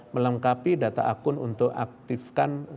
melengkapi data akun untuk aktifkan